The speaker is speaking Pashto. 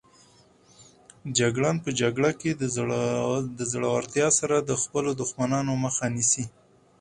جګړن په جګړه کې د زړورتیا سره د خپلو دښمنانو مخه نیسي.